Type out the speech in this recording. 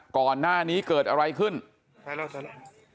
ก่อนหน้านี้เกิดอะไรขึ้นไปแล้วไปแล้ว